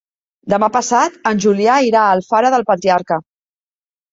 Demà passat en Julià irà a Alfara del Patriarca.